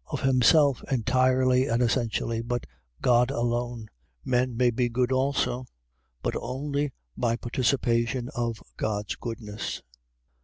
. .Of himself entirely and essentially, but God alone; men may be good also, but only by participation of God's goodness.